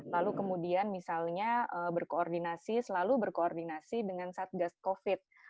lalu kemudian misalnya berkoordinasi selalu berkoordinasi dengan satgas covid